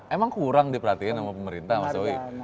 emang kurang diperhatikan sama pemerintah mas owi